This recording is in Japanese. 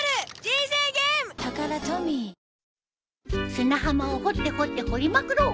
砂浜を掘って掘って掘りまくろう。